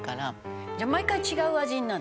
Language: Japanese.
「じゃあ毎回違う味になる？」